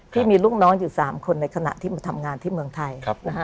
ที่มีลูกน้องอยู่๓คนในขณะที่มาทำงานที่เมืองไทย